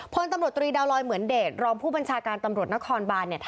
พลตำรวจตรีดาวลอยเหมือนเดชรองผู้บัญชาการตำรวจนครบาน